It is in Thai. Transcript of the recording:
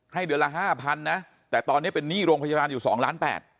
ให้เดือนละ๕๐๐๐นะแต่ตอนนี้เป็นหนี้โรงพยาบาลอยู่๒ล้าน๘บาท